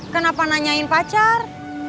kenapa nanyain pacar